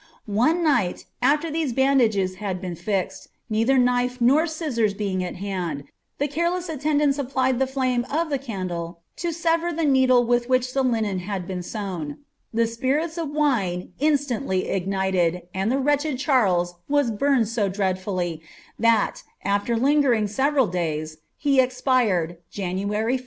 Ox night, after these bandages had been fixed, neither knife nor aijiii being at hand, the careless attendants applied the flame of the caarfk !■ •ever the needle with which the linen had been sewn; the >pihi«rf wine ini'Utitly ignited, and the wretched Charges was btimed ao dm^ fully, that, after lingering several days, he expired,' Jantcar^r Is, IVT, ttymet't Ftcilera.